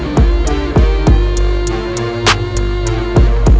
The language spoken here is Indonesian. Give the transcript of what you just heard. mungkin masih mandi ma